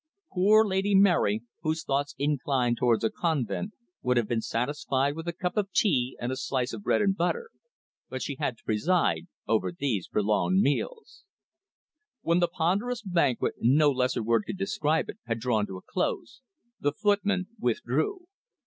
Poor Lady Mary, whose thoughts inclined towards a convent, would have been satisfied with a cup of tea and a slice of bread and butter, but she had to preside over these prolonged meals. When the ponderous banquet no lesser word could describe it had drawn to a close, the footman withdrew.